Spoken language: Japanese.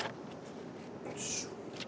よし。